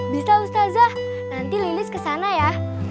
bisa ustadzah nanti lilis kesana ya